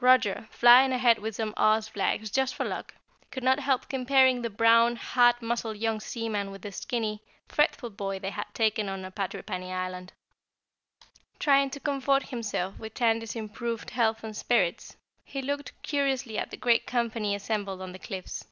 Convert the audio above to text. Roger, flying ahead with some Oz flags just for luck, could not help comparing the brown, hard muscled young seaman with the skinny, fretful boy they had taken on at Patrippany Island. Trying to comfort himself with Tandy's improved health and spirits, he looked curiously at the great company assembled on the cliffs.